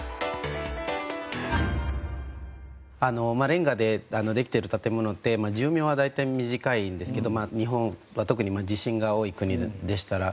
レンガでできてる建ものって寿命は大体短いんですけど日本は特に地震が多い国ですから。